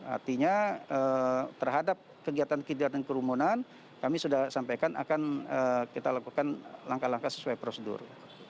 artinya terhadap kegiatan kegiatan kerumunan kami sudah sampaikan akan kita lakukan langkah langkah sesuai prosedur